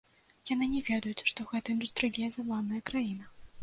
Яны не ведаюць, што гэта індустрыялізаваная краіна.